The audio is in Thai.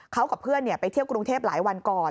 เขากับเพื่อนไปเที่ยวกรุงเทพหลายวันก่อน